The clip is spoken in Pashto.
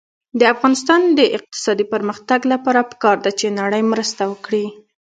د افغانستان د اقتصادي پرمختګ لپاره پکار ده چې نړۍ مرسته وکړي.